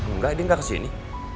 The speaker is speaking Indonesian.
enggak dia gak kesini